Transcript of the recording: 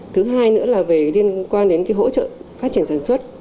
thứ hai nữa là liên quan đến hỗ trợ phát triển sản xuất